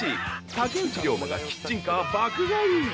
竹内涼真がキッチンカー爆買い！